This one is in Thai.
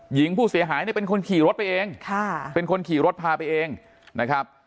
หญิงผู้เสียหายเนี่ยเป็นคนขี่รถไปเองค่ะเป็นคนขี่รถพาไปเองนะครับ